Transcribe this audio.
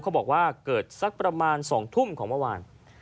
บอกว่าเกิดสักประมาณ๒ทุ่มของเมื่อวาน